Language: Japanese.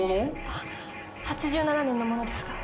あ８７年のものですが。